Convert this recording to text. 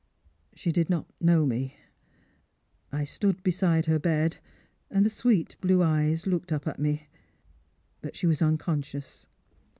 " She did not know me. I stood beside her bed, and the sweet blue eyes looked up at me, but she was unconscious.